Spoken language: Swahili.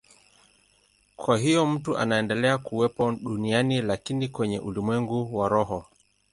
Kwa hiyo mtu anaendelea kuwepo duniani, lakini kwenye ulimwengu wa roho.